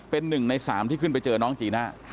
เป็นหนึ่งในสามที่ขึ้นไปเจอน้องจีน่า